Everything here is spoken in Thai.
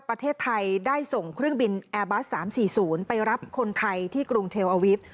ประเทศไทยได้ส่งเครื่องบินแอร์บัส๓๔๐ไปรับคนไทยที่กรุงเทลอาวิทย์